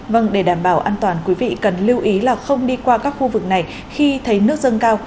vâng để đảm bảo an toàn quý vị cần lưu ý là không đi qua các khu vực này khi thấy nước dâng cao